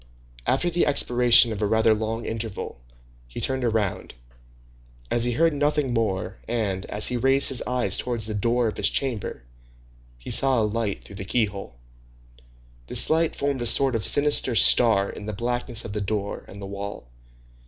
After the expiration of a rather long interval, he turned round, as he heard nothing more, and, as he raised his eyes towards the door of his chamber, he saw a light through the keyhole. This light formed a sort of sinister star in the blackness of the door and the wall.